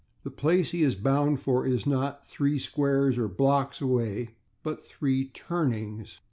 The place he is bound for is not three /squares/ or /blocks/ away, but three /turnings